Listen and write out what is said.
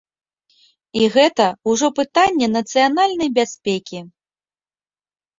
І гэта ўжо пытанні нацыянальнай бяспекі.